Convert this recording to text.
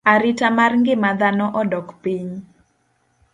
Arita mar ngima dhano odok piny.